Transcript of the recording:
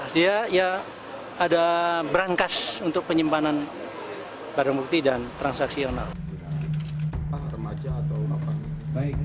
dia ya ada berangkas untuk penyimpanan barang bukti dan transaksional